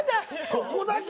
そこだけ！？